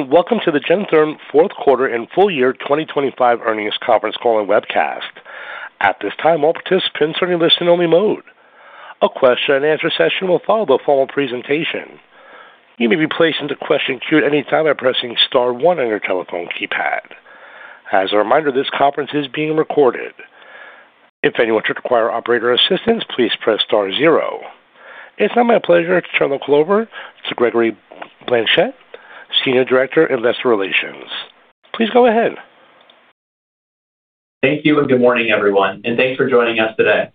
Welcome to the Gentherm fourth quarter and full year 2025 earnings conference call and webcast. At this time, all participants are in listen-only mode. A question-and-answer session will follow the formal presentation. You may be placed into question queue at any time by pressing star one on your telephone keypad. As a reminder, this conference is being recorded. If anyone should require operator assistance, please press star zero. It's now my pleasure to turn the call over to Gregory Blanchette, Senior Director, Investor Relations. Please go ahead. Thank you, and good morning, everyone, and thanks for joining us today.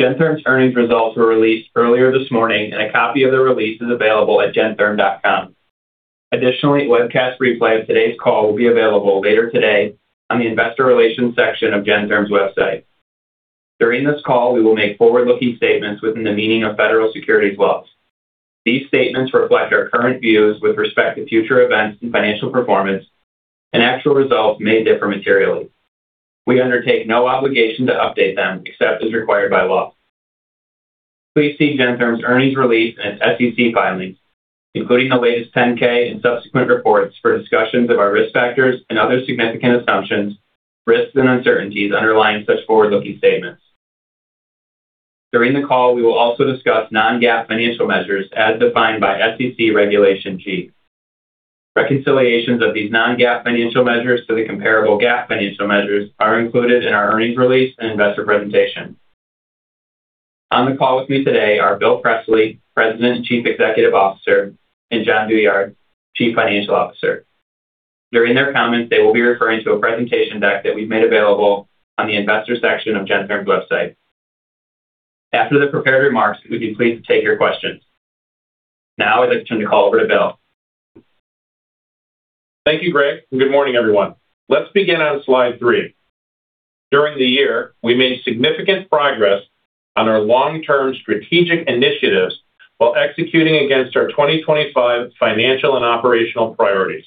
Gentherm's earnings results were released earlier this morning, and a copy of the release is available at gentherm.com. Additionally, a webcast replay of today's call will be available later today on the investor relations section of Gentherm's website. During this call, we will make forward-looking statements within the meaning of federal securities laws. These statements reflect our current views with respect to future events and financial performance, and actual results may differ materially. We undertake no obligation to update them except as required by law. Please see Gentherm's earnings release and its SEC filings, including the latest 10-K and subsequent reports, for discussions of our risk factors and other significant assumptions, risks, and uncertainties underlying such forward-looking statements. During the call, we will also discuss non-GAAP financial measures as defined by SEC Regulation G. Reconciliations of these non-GAAP financial measures to the comparable GAAP financial measures are included in our earnings release and investor presentation. On the call with me today are Bill Presley, President and Chief Executive Officer, and Jon Douyard, Chief Financial Officer. During their comments, they will be referring to a presentation deck that we've made available on the investor section of Gentherm's website. After the prepared remarks, we'd be pleased to take your questions. Now I'd like to turn the call over to Bill. Thank you, Greg, and good morning, everyone. Let's begin on slide 3. During the year, we made significant progress on our long-term strategic initiatives while executing against our 2025 financial and operational priorities.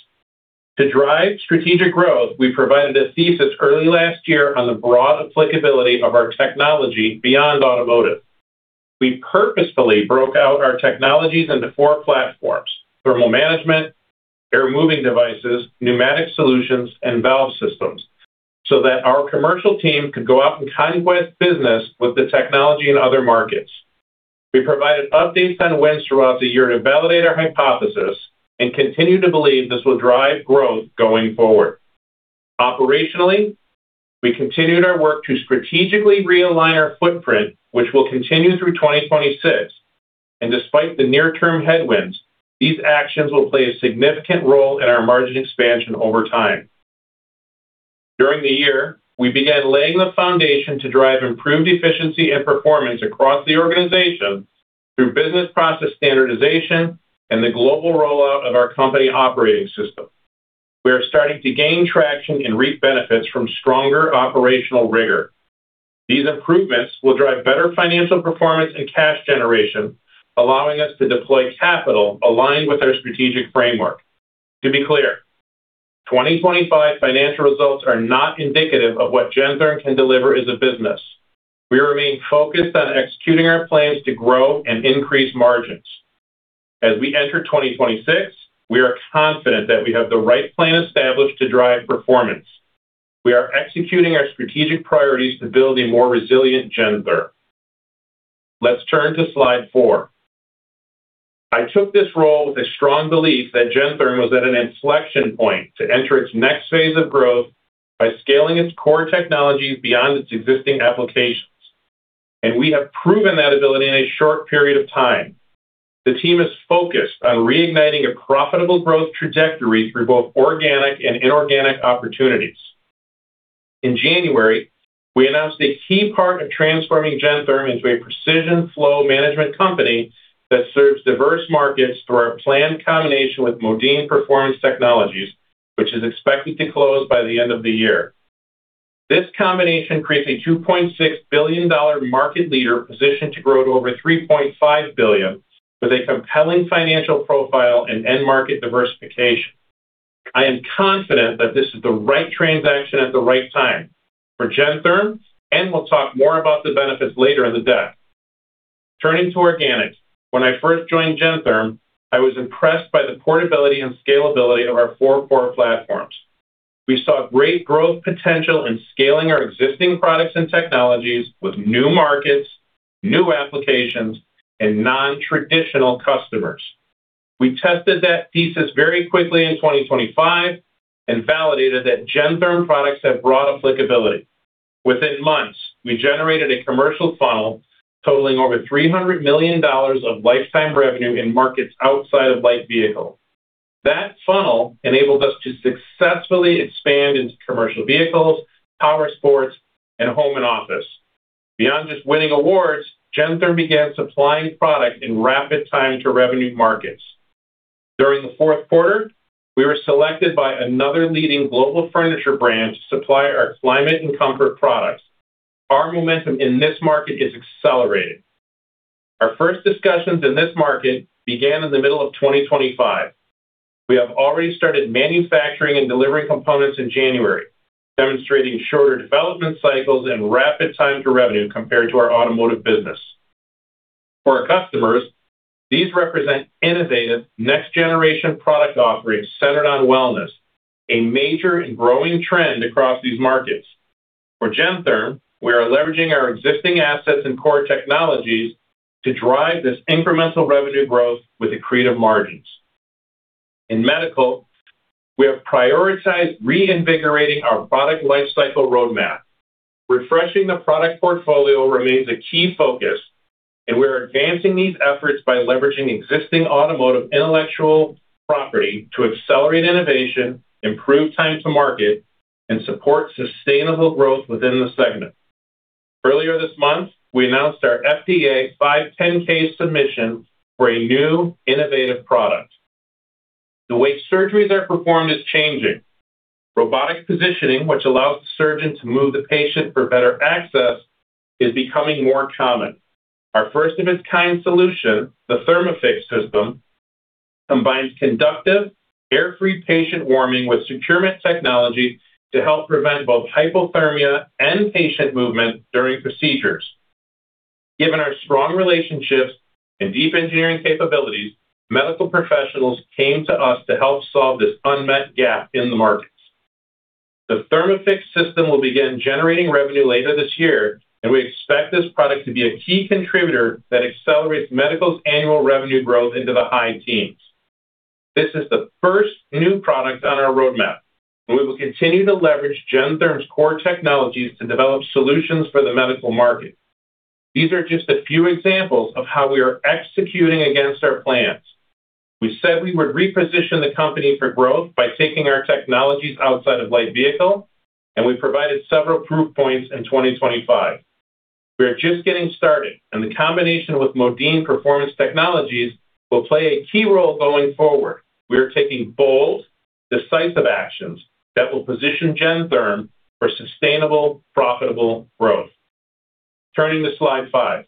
To drive strategic growth, we provided a thesis early last year on the broad applicability of our technology beyond automotive. We purposefully broke out our technologies into four platforms: thermal management, air moving devices, pneumatic solutions, and valve systems, so that our commercial team could go out and conquest business with the technology in other markets. We provided updates on wins throughout the year to validate our hypothesis and continue to believe this will drive growth going forward. Operationally, we continued our work to strategically realign our footprint, which will continue through 2026, and despite the near-term headwinds, these actions will play a significant role in our margin expansion over time. During the year, we began laying the foundation to drive improved efficiency and performance across the organization through business process standardization and the global rollout of our company operating system. We are starting to gain traction and reap benefits from stronger operational rigor. These improvements will drive better financial performance and cash generation, allowing us to deploy capital aligned with our strategic framework. To be clear, 2025 financial results are not indicative of what Gentherm can deliver as a business. We remain focused on executing our plans to grow and increase margins. As we enter 2026, we are confident that we have the right plan established to drive performance. We are executing our strategic priorities to build a more resilient Gentherm. Let's turn to slide 4. I took this role with a strong belief that Gentherm was at an inflection point to enter its next phase of growth by scaling its core technologies beyond its existing applications, and we have proven that ability in a short period of time. The team is focused on reigniting a profitable growth trajectory through both organic and inorganic opportunities. In January, we announced a key part of transforming Gentherm into a precision flow management company that serves diverse markets through our planned combination with Modine's Performance Technologies, which is expected to close by the end of the year. This combination creates a $2.6 billion market leader positioned to grow to over $3.5 billion, with a compelling financial profile and end market diversification. I am confident that this is the right transaction at the right time for Gentherm, and we'll talk more about the benefits later in the deck. Turning to organics. When I first joined Gentherm, I was impressed by the portability and scalability of our four core platforms. We saw great growth potential in scaling our existing products and technologies with new markets, new applications, and non-traditional customers. We tested that thesis very quickly in 2025 and validated that Gentherm products have broad applicability. Within months, we generated a commercial funnel totaling over $300 million of lifetime revenue in markets outside of light vehicles. That funnel enabled us to successfully expand into commercial vehicles, power sports, and home and office. Beyond just winning awards, Gentherm began supplying product in rapid time to revenue markets. During the fourth quarter, we were selected by another leading global furniture brand to supply our Climate & Comfort products. Our momentum in this market is accelerating. Our first discussions in this market began in the middle of 2025. We have already started manufacturing and delivering components in January, demonstrating shorter development cycles and rapid time to revenue compared to our automotive business.... For our customers, these represent innovative next generation product offerings centered on wellness, a major and growing trend across these markets. For Gentherm, we are leveraging our existing assets and core technologies to drive this incremental revenue growth with accretive margins. In medical, we have prioritized reinvigorating our product lifecycle roadmap. Refreshing the product portfolio remains a key focus, and we are advancing these efforts by leveraging existing automotive intellectual property to accelerate innovation, improve time to market, and support sustainable growth within the segment. Earlier this month, we announced our FDA 510(k) submission for a new innovative product. The way surgeries are performed is changing. Robotic positioning, which allows the surgeon to move the patient for better access, is becoming more common. Our first of its kind solution, the Thermafix system, combines conductive, air-free patient warming with securement technology to help prevent both hypothermia and patient movement during procedures. Given our strong relationships and deep engineering capabilities, medical professionals came to us to help solve this unmet gap in the markets. The Thermafix system will begin generating revenue later this year, and we expect this product to be a key contributor that accelerates medical's annual revenue growth into the high teens. This is the first new product on our roadmap, and we will continue to leverage Gentherm's core technologies to develop solutions for the medical market. These are just a few examples of how we are executing against our plans. We said we would reposition the company for growth by taking our technologies outside of light vehicle, and we provided several proof points in 2025. We are just getting started, and the combination with Modine's Performance Technologies will play a key role going forward. We are taking bold, decisive actions that will position Gentherm for sustainable, profitable growth. Turning to slide 5.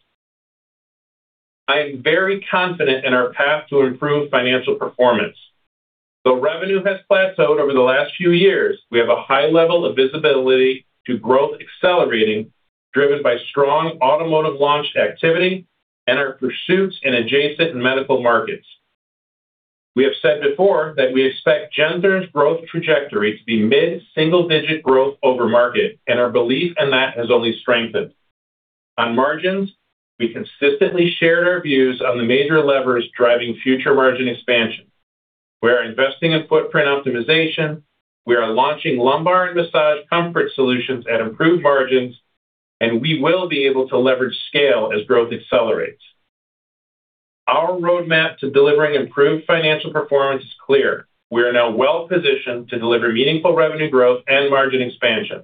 I am very confident in our path to improve financial performance. Though revenue has plateaued over the last few years, we have a high level of visibility to growth accelerating, driven by strong automotive launch activity and our pursuits in adjacent and medical markets. We have said before that we expect Gentherm's growth trajectory to be mid-single-digit growth over market, and our belief in that has only strengthened. On margins, we consistently shared our views on the major levers driving future margin expansion. We are investing in footprint optimization. We are launching lumbar and massage comfort solutions at improved margins, and we will be able to leverage scale as growth accelerates. Our roadmap to delivering improved financial performance is clear. We are now well positioned to deliver meaningful revenue growth and margin expansion.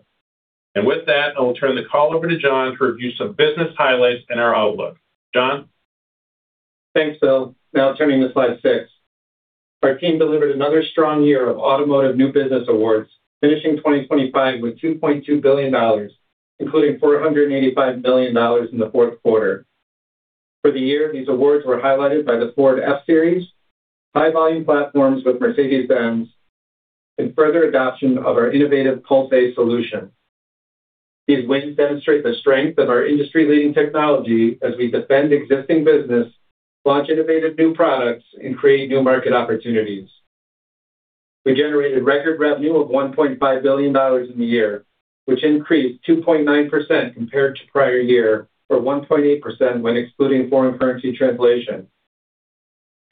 And with that, I will turn the call over to Jon to review some business highlights and our outlook. Jon? Thanks, Bill. Now turning to slide 6. Our team delivered another strong year of automotive new business awards, finishing 2025 with $2.2 billion, including $485 million in the fourth quarter. For the year, these awards were highlighted by the Ford F-Series, high-volume platforms with Mercedes-Benz, and further adoption of our innovative pulse-based solution. These wins demonstrate the strength of our industry-leading technology as we defend existing business, launch innovative new products, and create new market opportunities. We generated record revenue of $1.5 billion in the year, which increased 2.9% compared to prior year, or 1.8% when excluding foreign currency translation.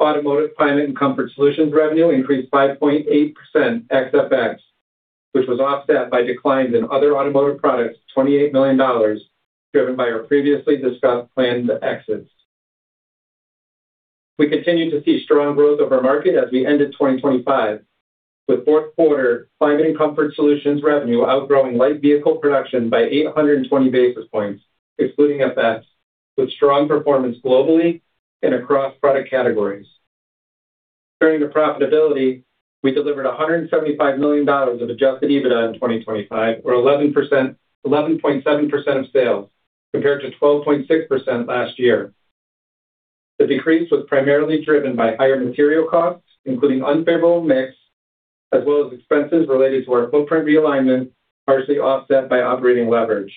Automotive Climate & Comfort solutions revenue increased 5.8% ex FX, which was offset by declines in other automotive products, $28 million, driven by our previously discussed planned exits. We continued to see strong growth of our market as we ended 2025, with fourth quarter Climate & Comfort solutions revenue outgrowing light vehicle production by 820 basis points, excluding FX, with strong performance globally and across product categories. Turning to profitability, we delivered $175 million of Adjusted EBITDA in 2025, or 11%-11.7% of sales, compared to 12.6% last year. The decrease was primarily driven by higher material costs, including unfavorable mix, as well as expenses related to our footprint realignment, partially offset by operating leverage.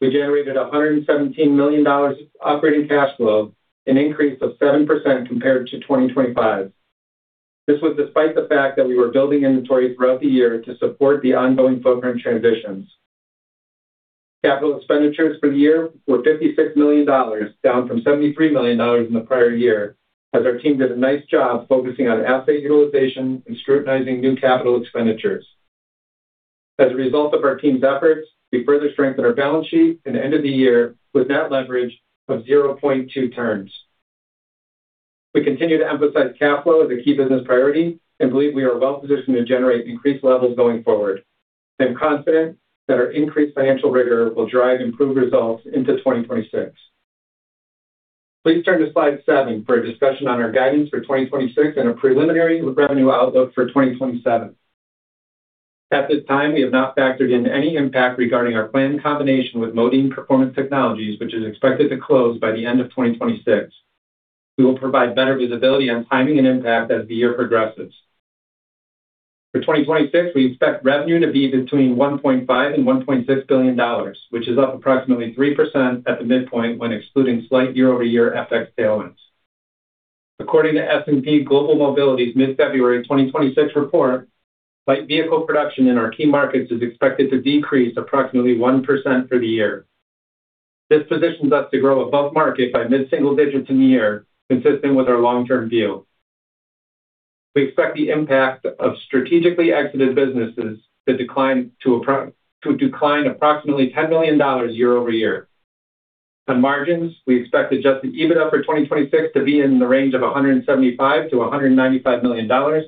We generated $117 million operating cash flow, an increase of 7% compared to 2025. This was despite the fact that we were building inventory throughout the year to support the ongoing footprint transitions. Capital expenditures for the year were $56 million, down from $73 million in the prior year, as our team did a nice job focusing on asset utilization and scrutinizing new capital expenditures. As a result of our team's efforts, we further strengthened our balance sheet and ended the year with net leverage of 0.2 turns. We continue to emphasize cash flow as a key business priority and believe we are well positioned to generate increased levels going forward. I am confident that our increased financial rigor will drive improved results into 2026. Please turn to slide 7 for a discussion on our guidance for 2026 and a preliminary revenue outlook for 2027. At this time, we have not factored in any impact regarding our planned combination with Modine's Performance Technologies, which is expected to close by the end of 2026. We will provide better visibility on timing and impact as the year progresses. For 2026, we expect revenue to be between $1.5 billion and $1.6 billion, which is up approximately 3% at the midpoint when excluding slight year-over-year FX tailwinds. According to S&P Global Mobility's mid-February 2026 report, light vehicle production in our key markets is expected to decrease approximately 1% for the year. This positions us to grow above market by mid-single digits in the year, consistent with our long-term view. We expect the impact of strategically exited businesses to decline approximately $10 million year-over-year. On margins, we expect Adjusted EBITDA for 2026 to be in the range of $175 million-$195 million,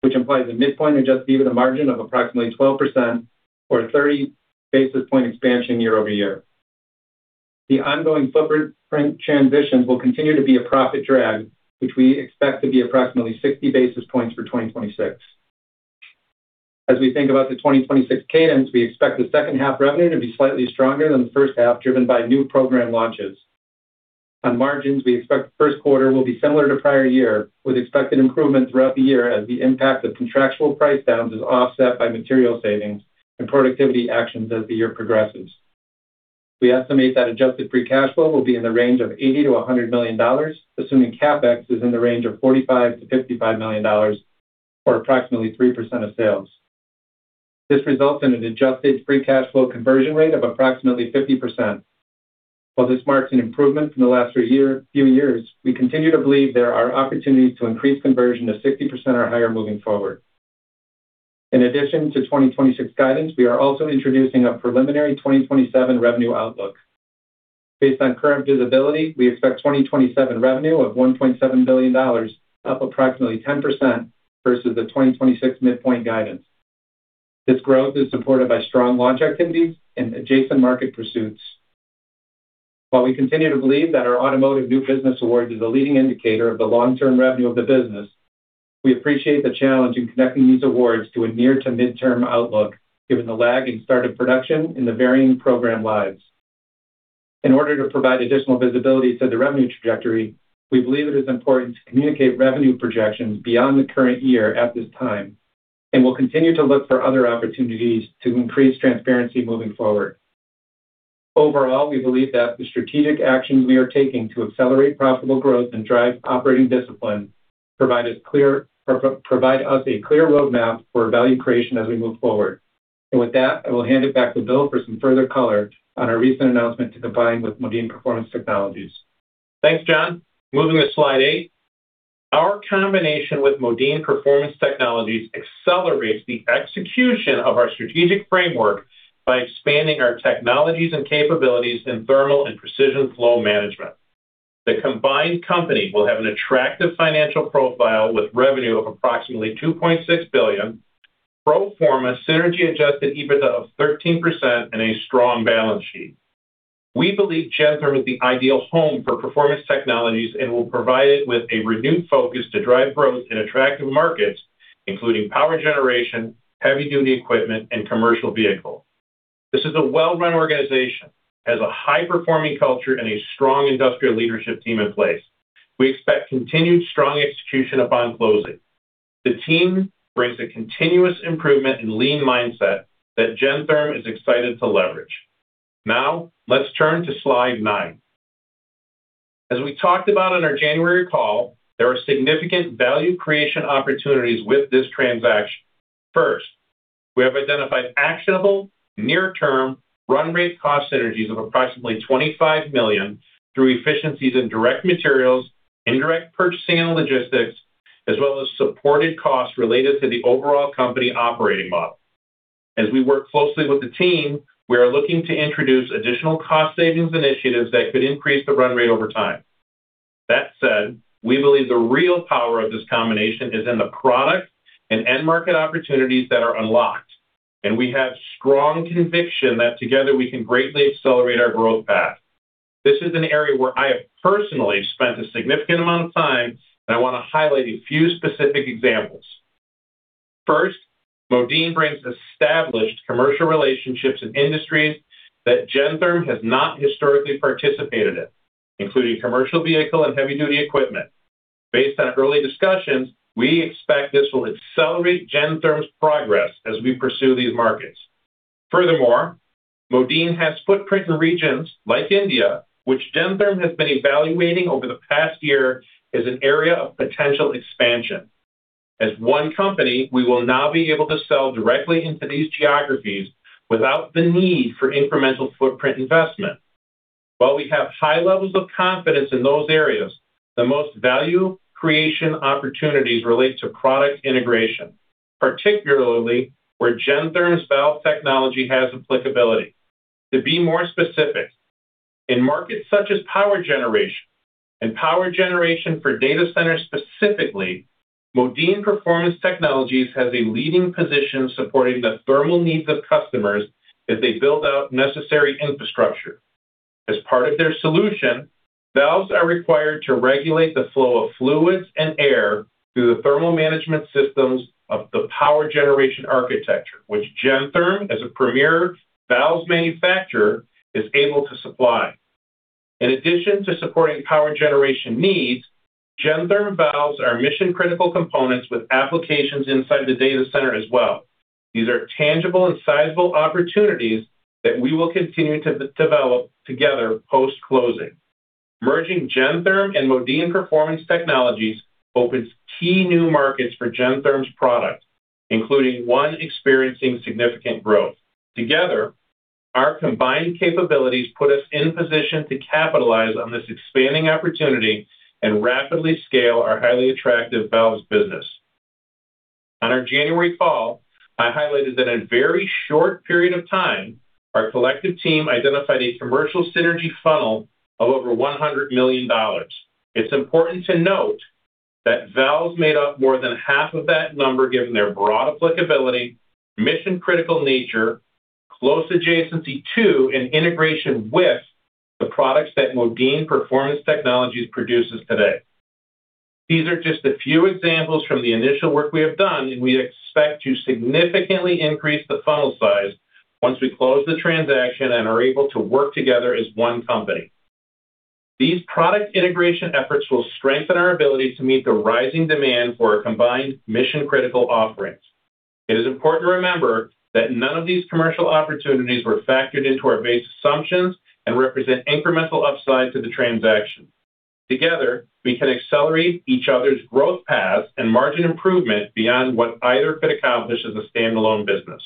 which implies a midpoint Adjusted EBITDA margin of approximately 12% or 30 basis points expansion year-over-year. The ongoing footprint transitions will continue to be a profit drag, which we expect to be approximately 60 basis points for 2026. As we think about the 2026 cadence, we expect the second half revenue to be slightly stronger than the first half, driven by new program launches. On margins, we expect first quarter will be similar to prior year, with expected improvement throughout the year as the impact of contractual price downs is offset by material savings and productivity actions as the year progresses. We estimate that adjusted free cash flow will be in the range of $80 million-$100 million, assuming CapEx is in the range of $45 million-$55 million, or approximately 3% of sales. This results in an adjusted free cash flow conversion rate of approximately 50%. While this marks an improvement from the last few years, we continue to believe there are opportunities to increase conversion to 60% or higher moving forward. In addition to 2026 guidance, we are also introducing a preliminary 2027 revenue outlook. Based on current visibility, we expect 2027 revenue of $1.7 billion, up approximately 10% versus the 2026 midpoint guidance. This growth is supported by strong launch activities and adjacent market pursuits. While we continue to believe that our automotive new business award is a leading indicator of the long-term revenue of the business, we appreciate the challenge in connecting these awards to a near to midterm outlook, given the lag in start of production and the varying program lives. In order to provide additional visibility to the revenue trajectory, we believe it is important to communicate revenue projections beyond the current year at this time, and we'll continue to look for other opportunities to increase transparency moving forward. Overall, we believe that the strategic actions we are taking to accelerate profitable growth and drive operating discipline provide us a clear roadmap for value creation as we move forward. And with that, I will hand it back to Bill for some further color on our recent announcement to combine with Modine's Performance Technologies. Thanks, Jon. Moving to slide 8. Our combination with Modine's Performance Technologies accelerates the execution of our strategic framework by expanding our technologies and capabilities in thermal and precision flow management. The combined company will have an attractive financial profile with revenue of approximately $2.6 billion, pro forma synergy Adjusted EBITDA of 13%, and a strong balance sheet. We believe Gentherm is the ideal home for performance technologies and will provide it with a renewed focus to drive growth in attractive markets, including power generation, heavy-duty equipment, and commercial vehicles. This is a well-run organization, has a high-performing culture and a strong industrial leadership team in place. We expect continued strong execution upon closing. The team brings a continuous improvement and lean mindset that Gentherm is excited to leverage. Now, let's turn to slide 9. As we talked about on our January call, there are significant value creation opportunities with this transaction. First, we have identified actionable, near-term run rate cost synergies of approximately $25 million through efficiencies in direct materials, indirect purchasing and logistics, as well as supported costs related to the overall company operating model. As we work closely with the team, we are looking to introduce additional cost savings initiatives that could increase the run rate over time. That said, we believe the real power of this combination is in the product and end market opportunities that are unlocked, and we have strong conviction that together we can greatly accelerate our growth path. This is an area where I have personally spent a significant amount of time, and I want to highlight a few specific examples. First, Modine brings established commercial relationships in industries that Gentherm has not historically participated in, including commercial vehicle and heavy-duty equipment. Based on early discussions, we expect this will accelerate Gentherm's progress as we pursue these markets. Furthermore, Modine has footprint in regions like India, which Gentherm has been evaluating over the past year as an area of potential expansion. As one company, we will now be able to sell directly into these geographies without the need for incremental footprint investment. While we have high levels of confidence in those areas, the most value creation opportunities relate to product integration, particularly where Gentherm's valve technology has applicability. To be more specific, in markets such as power generation and power generation for data centers specifically, Modine's Performance Technologies has a leading position supporting the thermal needs of customers as they build out necessary infrastructure. As part of their solution, valves are required to regulate the flow of fluids and air through the thermal management systems of the power generation architecture, which Gentherm, as a premier valves manufacturer, is able to supply. In addition to supporting power generation needs, Gentherm valves are mission-critical components with applications inside the data center as well. These are tangible and sizable opportunities that we will continue to develop together post-closing. Merging Gentherm and Modine's Performance Technologies opens key new markets for Gentherm's product, including one experiencing significant growth. Together, our combined capabilities put us in position to capitalize on this expanding opportunity and rapidly scale our highly attractive valves business. On our January call, I highlighted that in a very short period of time, our collective team identified a commercial synergy funnel of over $100 million. It's important to note that valves made up more than half of that number, given their broad applicability, mission-critical nature, close adjacency to, and integration with the products that Modine's Performance Technologies produces today. These are just a few examples from the initial work we have done, and we expect to significantly increase the funnel size once we close the transaction and are able to work together as one company. These product integration efforts will strengthen our ability to meet the rising demand for a combined mission-critical offerings. It is important to remember that none of these commercial opportunities were factored into our base assumptions and represent incremental upside to the transaction. Together, we can accelerate each other's growth paths and margin improvement beyond what either could accomplish as a standalone business.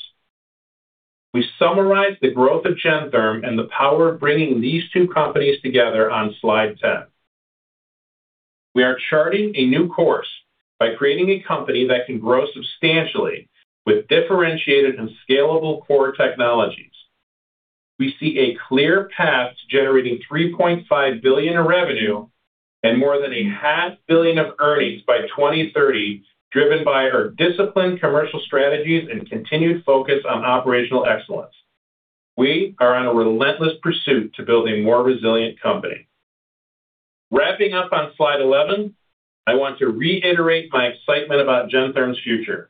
We summarized the growth of Gentherm and the power of bringing these two companies together on slide 10. We are charting a new course by creating a company that can grow substantially with differentiated and scalable core technologies. We see a clear path to generating $3.5 billion in revenue and more than $500 million of earnings by 2030, driven by our disciplined commercial strategies and continued focus on operational excellence. We are on a relentless pursuit to build a more resilient company. Wrapping up on slide 11, I want to reiterate my excitement about Gentherm's future.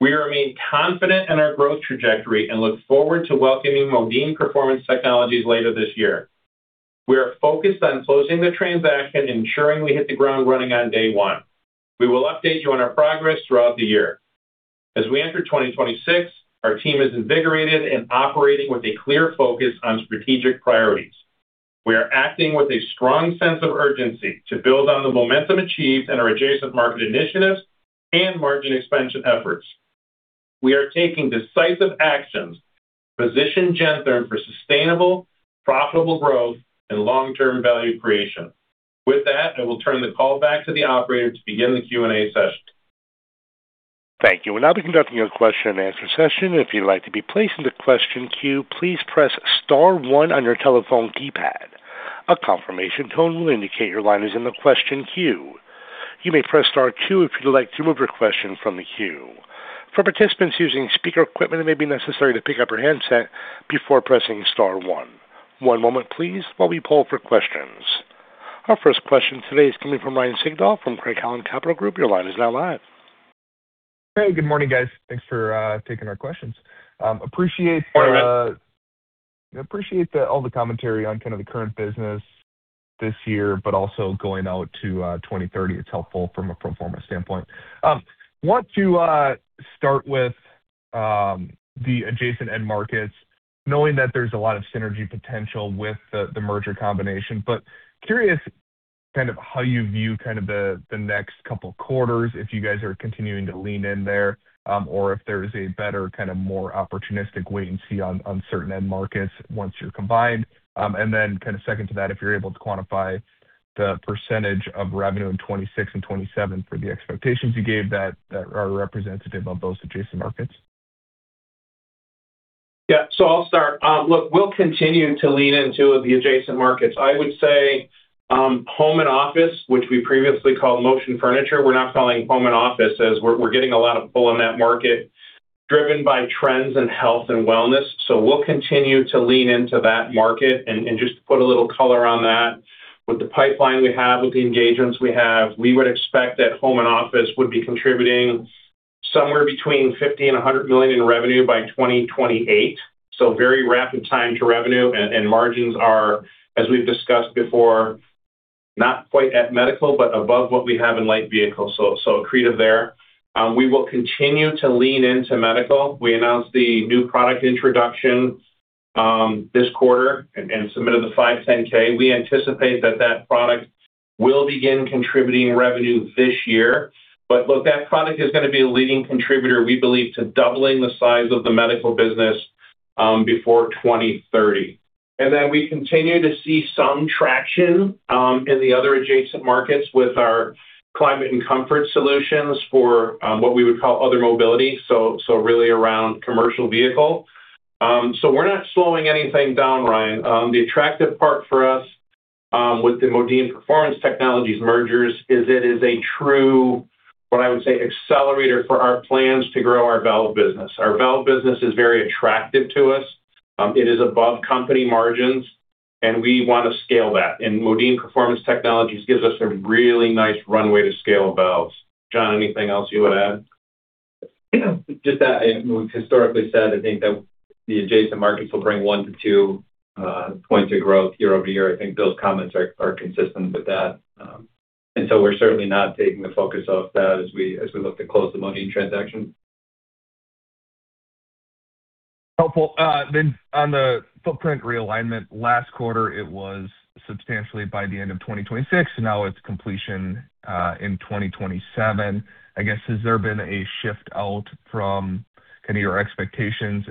We remain confident in our growth trajectory and look forward to welcoming Modine's Performance Technologies later this year. We are focused on closing the transaction, ensuring we hit the ground running on day one. We will update you on our progress throughout the year. As we enter 2026, our team is invigorated and operating with a clear focus on strategic priorities. We are acting with a strong sense of urgency to build on the momentum achieved in our adjacent market initiatives and margin expansion efforts. We are taking decisive actions to position Gentherm for sustainable, profitable growth and long-term value creation. With that, I will turn the call back to the operator to begin the Q&A session. Thank you. We'll now be conducting a question and answer session. If you'd like to be placed into question queue, please press star one on your telephone keypad. A confirmation tone will indicate your line is in the question queue. You may press star two if you'd like to remove your question from the queue. For participants using speaker equipment, it may be necessary to pick up your handset before pressing star one. One moment please while we poll for questions. Our first question today is coming from Ryan Sigdahl from Craig-Hallum Capital Group. Your line is now live. Hey, good morning, guys. Thanks for taking our questions. Appreciate- Morning, Ryan. Appreciate all the commentary on kind of the current business this year, but also going out to 2030. It's helpful from a pro forma standpoint. Want to start with the adjacent end markets, knowing that there's a lot of synergy potential with the merger combination. But curious kind of how you view kind of the next couple quarters, if you guys are continuing to lean in there, or if there's a better, kind of, more opportunistic wait and see on certain end markets once you're combined. And then kind of second to that, if you're able to quantify the percentage of revenue in 2026 and 2027 for the expectations you gave that are representative of those adjacent markets. Yeah. So I'll start. Look, we'll continue to lean into the adjacent markets. I would say, home and office, which we previously called motion furniture, we're now calling home and office, as we're getting a lot of pull in that market, driven by trends in health and wellness. So we'll continue to lean into that market and just put a little color on that. With the pipeline we have, with the engagements we have, we would expect that home and office would be contributing somewhere between $50 million and $100 million in revenue by 2028. So very rapid time to revenue, and margins are, as we've discussed before, not quite at medical, but above what we have in light vehicles. So accretive there. We will continue to lean into medical. We announced the new product introduction this quarter and submitted the 510(k). We anticipate that that product will begin contributing revenue this year, but look, that product is gonna be a leading contributor, we believe, to doubling the size of the medical business before 2030. And then we continue to see some traction in the other adjacent markets with our Climate & Comfort solutions for what we would call other mobility, so really around commercial vehicle. So we're not slowing anything down, Ryan. The attractive part for us with the Modine's Performance Technologies mergers is it is a true, what I would say, accelerator for our plans to grow our valve business. Our valve business is very attractive to us. It is above company margins, and we want to scale that, and Modine's Performance Technologies gives us a really nice runway to scale valves. Jon, anything else you would add?... Yeah, just that we've historically said, I think that the adjacent markets will bring 1-2 percentage points of growth year-over-year. I think those comments are consistent with that. And so we're certainly not taking the focus off that as we look to close the Modine transaction. Helpful. Then on the footprint realignment, last quarter it was substantially by the end of 2026, now it's completion in 2027. I guess, has there been a shift out from kind of your expectations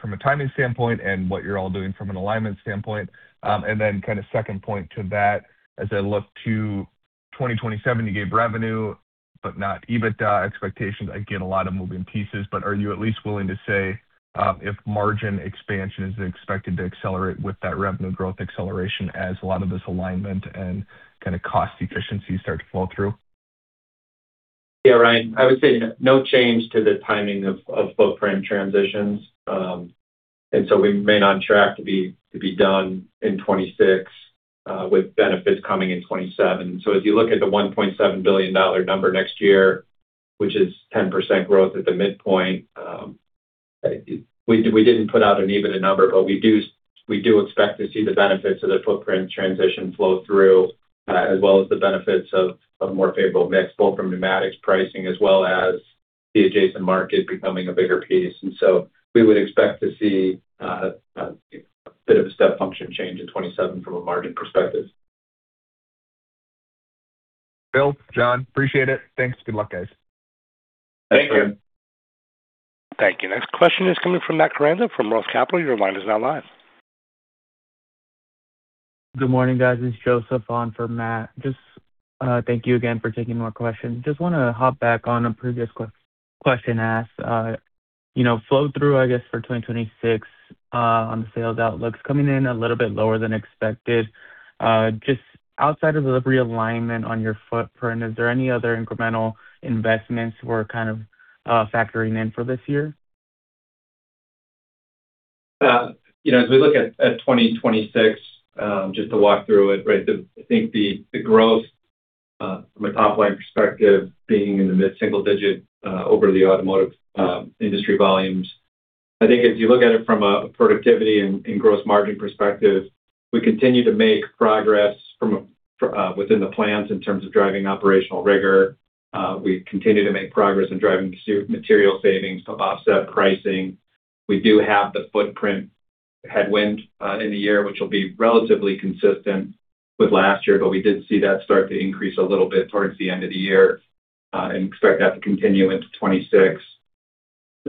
from a timing standpoint and what you're all doing from an alignment standpoint? And then kind of second point to that, as I look to 2027, you gave revenue but not EBITDA expectations. I get a lot of moving pieces, but are you at least willing to say if margin expansion is expected to accelerate with that revenue growth acceleration as a lot of this alignment and kind of cost efficiencies start to fall through? Yeah, Ryan, I would say no change to the timing of footprint transitions. And so we remain on track to be done in 2026, with benefits coming in 2027. So if you look at the $1.7 billion number next year, which is 10% growth at the midpoint, we didn't put out an EBITDA number, but we do expect to see the benefits of the footprint transition flow through, as well as the benefits of a more favorable mix, both from pneumatics pricing as well as the adjacent market becoming a bigger piece. And so we would expect to see a bit of a step function change in 2027 from a margin perspective. Bill, Jon, appreciate it. Thanks. Good luck, guys. Thank you. Thank you. Next question is coming from Matt Carranza from Roth Capital. Your line is now live. Good morning, guys. It's Joseph on for Matt. Just, thank you again for taking more questions. Just want to hop back on a previous question asked. You know, flow through, I guess, for 2026, on the sales outlook is coming in a little bit lower than expected. Just outside of the realignment on your footprint, is there any other incremental investments we're kind of factoring in for this year? You know, as we look at 2026, just to walk through it, right? I think the growth from a top-line perspective, being in the mid-single digit over the automotive industry volumes. I think if you look at it from a productivity and gross margin perspective, we continue to make progress from a within the plans in terms of driving operational rigor. We continue to make progress in driving material savings to offset pricing. We do have the footprint headwind in the year, which will be relatively consistent with last year, but we did see that start to increase a little bit towards the end of the year, and expect that to continue into 2026.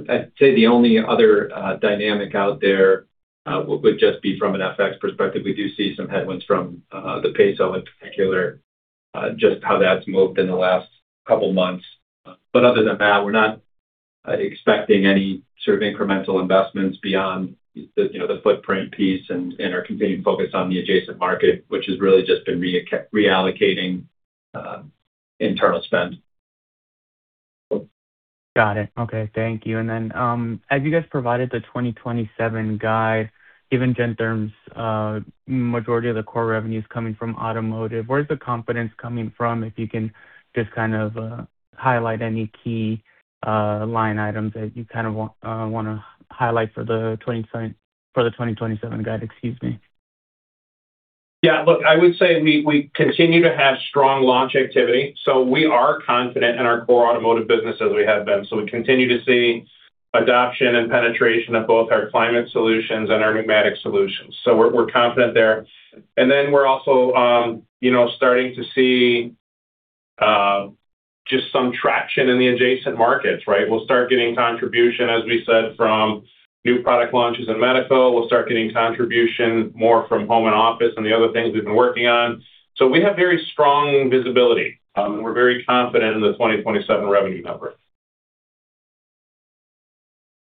I'd say the only other dynamic out there would just be from an FX perspective. We do see some headwinds from the peso in particular, just how that's moved in the last couple months. But other than that, we're not expecting any sort of incremental investments beyond the, you know, the footprint piece and, and our continuing focus on the adjacent market, which has really just been reallocating internal spend. Got it. Okay, thank you. And then, as you guys provided the 2027 guide, given Gentherm's majority of the core revenues coming from automotive, where's the confidence coming from? If you can just kind of highlight any key line items that you kind of want to highlight for the 2027 guide. Excuse me. Yeah, look, I would say we, we continue to have strong launch activity, so we are confident in our core automotive business as we have been. So we continue to see adoption and penetration of both our climate solutions and our pneumatic solutions. So we're, we're confident there. And then we're also, you know, starting to see just some traction in the adjacent markets, right? We'll start getting contribution, as we said, from new product launches in medical. We'll start getting contribution more from home and office and the other things we've been working on. So we have very strong visibility. We're very confident in the 2027 revenue number.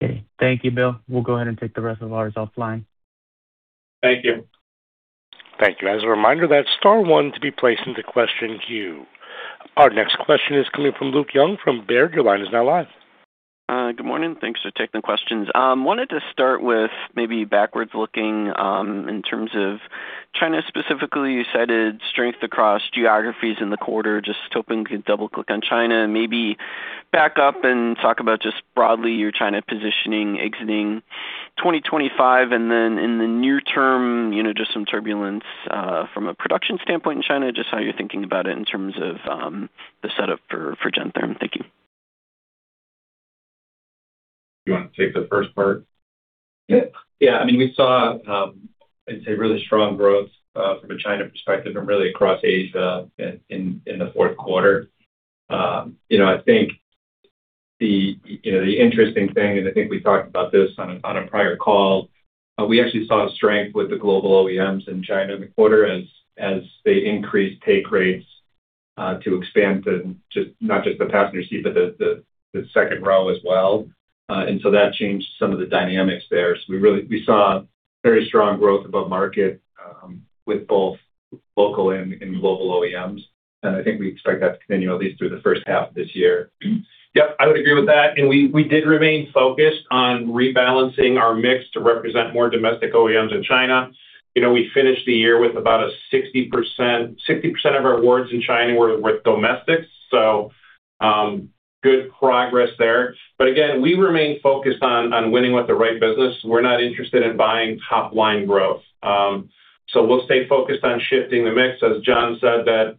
Okay. Thank you, Bill. We'll go ahead and take the rest of ours offline. Thank you. Thank you. As a reminder, that's star one to be placed into question queue. Our next question is coming from Luke Junk, from Baird. Your line is now live. Good morning. Thanks for taking the questions. Wanted to start with maybe backwards looking, in terms of China specifically. You cited strength across geographies in the quarter. Just hoping you could double click on China and maybe back up and talk about just broadly, your China positioning exiting 2025, and then in the near term, you know, just some turbulence, from a production standpoint in China, just how you're thinking about it in terms of, the setup for Gentherm. Thank you. You want to take the first part? Yeah. Yeah. I mean, we saw, I'd say, really strong growth from a China perspective and really across Asia in the fourth quarter. You know, I think the, you know, the interesting thing, and I think we talked about this on a, on a prior call, we actually saw strength with the global OEMs in China in the quarter as they increased take rates to expand to just... not just the passenger seat, but the second row as well. And so that changed some of the dynamics there. So we really saw very strong growth above market with both local and global OEMs, and I think we expect that to continue at least through the first half of this year. Yep, I would agree with that. We did remain focused on rebalancing our mix to represent more domestic OEMs in China. You know, we finished the year with about 60%. 60% of our awards in China were with domestics, so good progress there. But again, we remain focused on winning with the right business. We're not interested in buying top-line growth. So we'll stay focused on shifting the mix. As Jon said, that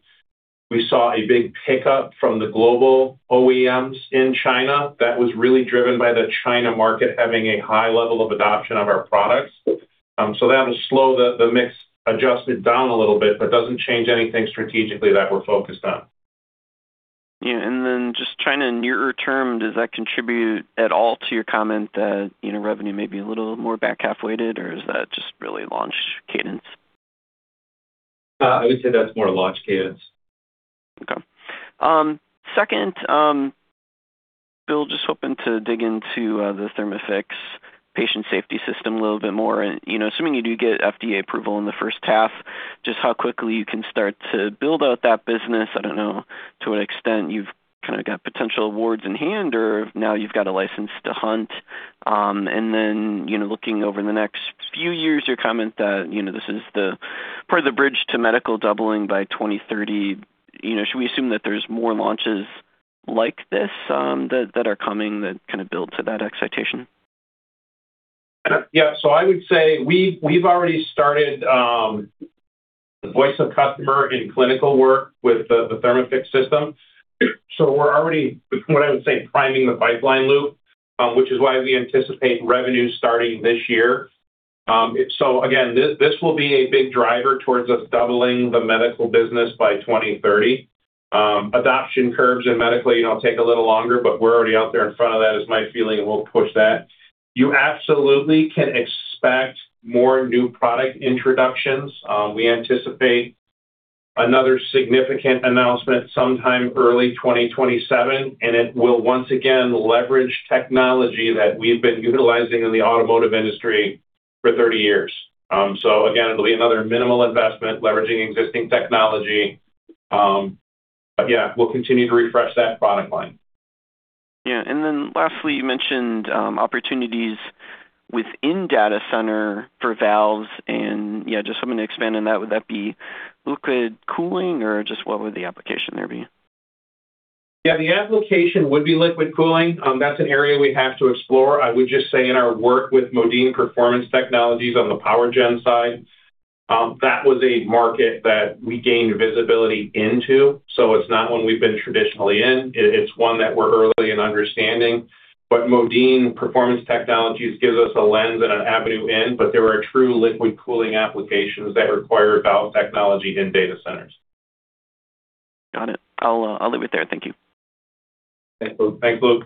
we saw a big pickup from the global OEMs in China. That was really driven by the China market having a high level of adoption of our products. So that'll slow the mix, adjust it down a little bit, but doesn't change anything strategically that we're focused on. Yeah, and then just China, nearer term, does that contribute at all to your comment that, you know, revenue may be a little more back half-weighted, or is that just really launch cadence? I would say that's more launch cadence. Okay. Second, Bill, just hoping to dig into the Thermafix patient safety system a little bit more. You know, assuming you do get FDA approval in the first half, just how quickly you can start to build out that business. I don't know, to what extent you've kind of got potential awards in hand, or now you've got a license to hunt. And then, you know, looking over the next few years, your comment that, you know, this is the part of the bridge to medical doubling by 2030, you know, should we assume that there's more launches like this, that, that are coming that kind of build to that excitation? Yeah. So I would say we, we've already started, voice of customer in clinical work with the, the Thermafix system. So we're already, what I would say, priming the pipeline loop, which is why we anticipate revenue starting this year. So again, this, this will be a big driver towards us doubling the medical business by 2030. Adoption curves in medically, you know, take a little longer, but we're already out there in front of that, is my feeling, and we'll push that. You absolutely can expect more new product introductions. We anticipate another significant announcement sometime early 2027, and it will once again leverage technology that we've been utilizing in the automotive industry for 30 years. So again, it'll be another minimal investment, leveraging existing technology. But yeah, we'll continue to refresh that product line. Yeah. And then lastly, you mentioned opportunities within data center for valves and... Yeah, just something to expand on that. Would that be liquid cooling, or just what would the application there be? Yeah, the application would be liquid cooling. That's an area we have to explore. I would just say in our work with Modine's Performance Technologies on the power gen side, that was a market that we gained visibility into, so it's not one we've been traditionally in. It, it's one that we're early in understanding. But Modine's Performance Technologies gives us a lens and an avenue in, but there are true liquid cooling applications that require valve technology in data centers. Got it. I'll, I'll leave it there. Thank you. Thanks, Luke.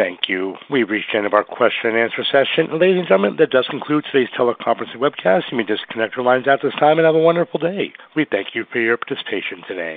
Thank you. We've reached the end of our question and answer session. Ladies and gentlemen, that does conclude today's teleconference and webcast. You may disconnect your lines at this time, and have a wonderful day. We thank you for your participation today.